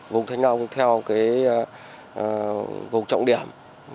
vùng thanh long theo vùng trọng điểm